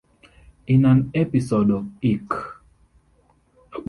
In an episode of Eek!